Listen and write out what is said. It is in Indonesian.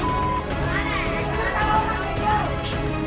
adanya siapaan level ini